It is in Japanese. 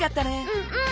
うんうん。